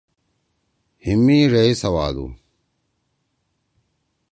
ہیِم می ڙیئی سوادُو،